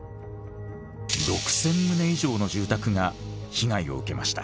６，０００棟以上の住宅が被害を受けました。